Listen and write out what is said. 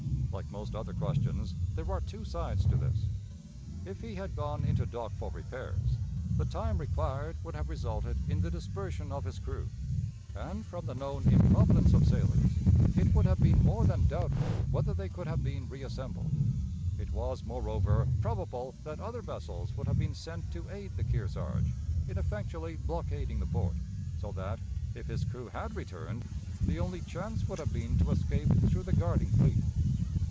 Like most other questions, there are two sides to this. If he had gone into dock for repairs, the time required would have resulted in the dispersion of his crew, and, from the known improvidence of sailors, it would have been more than doubtful whether they could have been reassembled. It was, moreover, probable that other vessels would have been sent to aid the Kearsarge in effectually blockading the port, so that, if his crew had returned, the only chance would have been to escape through the guarding fleet.